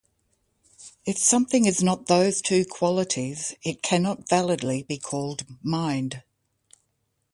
If something is not those two qualities, it cannot validly be called mind.